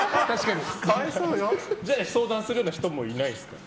相談するような人もいないですか？